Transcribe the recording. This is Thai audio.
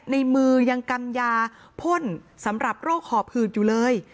ในมือยังกำยาพ่นสำหรับโรคหอบหืดอยู่เลย